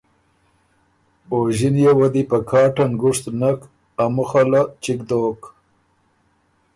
او ݫِنيې وه دی په کاټه نګُشت نک، ا مُخه له چِګ دوک